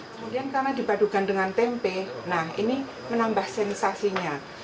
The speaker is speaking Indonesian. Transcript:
kemudian karena dipadukan dengan tempe nah ini menambah sensasinya